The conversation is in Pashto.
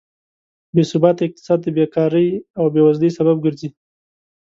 بېثباته اقتصاد د بېکارۍ او بېوزلۍ سبب ګرځي.